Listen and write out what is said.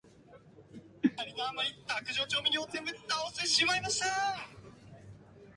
怒りのあまり、卓上調味料をすべて倒してしまいました。